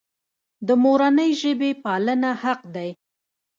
د مورنۍ ژبې پالنه حق دی.